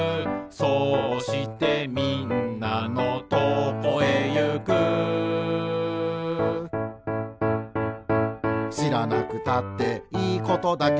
「そうしてみんなのとこへゆく」「しらなくたっていいことだけど」